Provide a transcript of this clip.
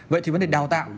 vậy thì vấn đề đào tạo